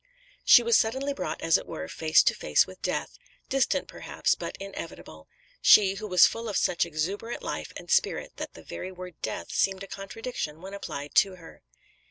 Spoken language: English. "She was suddenly brought, as it were, face to face with death distant, perhaps, but inevitable; she, who was full of such exuberant life and spirit that the very word 'death' seemed a contradiction when applied to her.